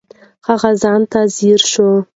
هغه ځان ته ځیر شو.